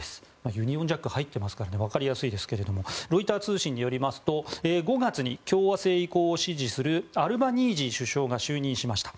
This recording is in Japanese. ユニオンジャックが入ってますからわかりやすいですがロイター通信によりますと５月に共和制移行を支持するアルバニージー首相が就任しました。